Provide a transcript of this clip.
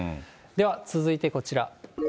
では続いてこちら。